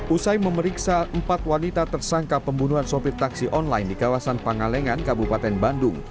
usai memeriksa empat wanita tersangka pembunuhan sopir taksi online di kawasan pangalengan kabupaten bandung